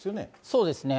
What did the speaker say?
そうですね。